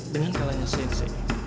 dengan kalahnya sensei